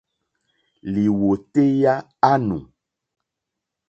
Lìwòtéyá á nù.